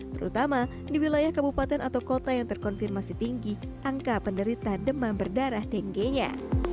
terutama di wilayah kabupaten atau kota yang terkonfirmasi tinggi angka penderita demam berdarah denge nya